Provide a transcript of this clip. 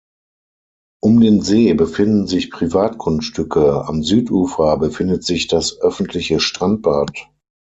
Um den See befinden sich Privatgrundstücke, am Südufer befindet sich das öffentliche Strandbad.